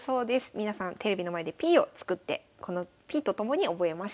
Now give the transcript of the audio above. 皆さんテレビの前でＰを作ってこのＰと共に覚えましょう。